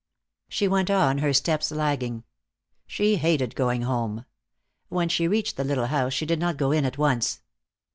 She went on, her steps lagging. She hated going home. When she reached the little house she did not go in at once.